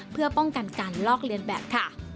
เพื่อป้องกันการลอกเลียนแบบค่ะ